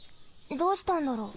どうしたんだろう。